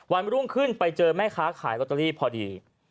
วันรุ่งขึ้นไปเจอแม่ค้าขายลอตเตอรี่พอดี